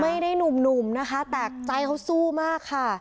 ไม่ได้หนุ่มนะคะแต่ใจเขาสู้มากค่ะ